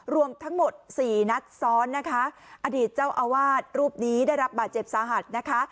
รวมทั้งหมดสี่นัดซ้อนนะคะอดีตเจ้าอาวาสรูปนี้ได้รับบาดเจ็บสาหัสนะคะ